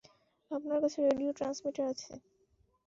আপনার কাছে radio transmitter আছে?